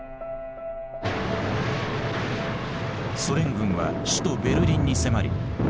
ソ連軍は首都ベルリンに迫り